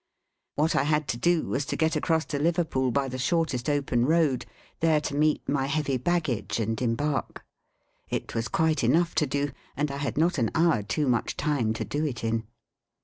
What I had to do was to get across to Liverpool by the shortest open road, there to meet my heavy baggage and embark. It was quite enough to do, and I had not an hour too much time to do it in.